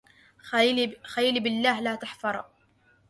خليلي بالله لا تحفرا